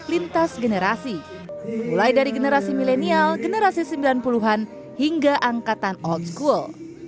lintas generasi mulai dari generasi milenial generasi sembilan puluh an hingga angkatan old school